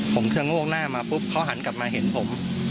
ผมจะโงกหน้ามาปุ๊บเขาหันกลับมาเห็นผม